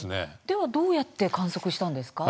では、どうやって観測したんですか？